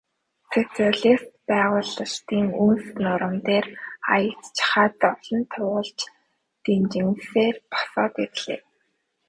Социалист байгуулалтын үнс нурман дээр хаягдчихаад зовлон туулж дэнжгэнэсээр босоод ирлээ.